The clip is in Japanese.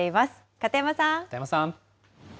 片山さん。